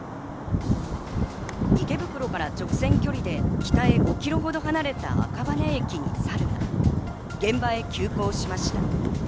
池袋から直線距離で北へ５ｋｍほど離れた赤羽駅にサルが現場へ急行しました。